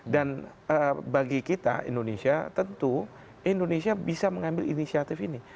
dan bagi kita indonesia tentu indonesia bisa mengambil inisiatif ini